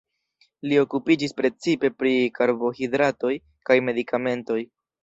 Li okupiĝis precipe pri karbonhidratoj kaj medikamentoj.